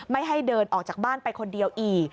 ให้เดินออกจากบ้านไปคนเดียวอีก